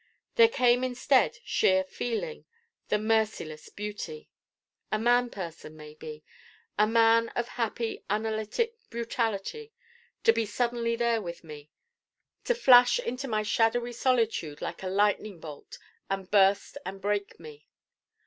There came instead sheer feeling the merciless beauty. a man person, maybe the man of happy unanalytic brutality to be suddenly there with me: to flash into my shadowy solitude like a lightning bolt and burst and break me.